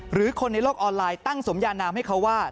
หรือคนในโลกออนไลน์ตั้งสมยานามให้เขาว่า